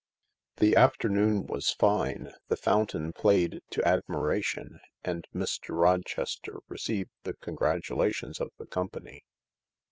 The afternoon was fine, the fountain played to admiration and Mr. Rochester received the congratulations of the com pany.